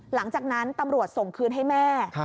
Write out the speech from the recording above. หลังจากนั้นตำรวจส่งคืนให้แม่